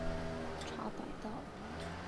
茶百道